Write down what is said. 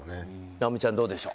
尚美ちゃん、どうでしょう。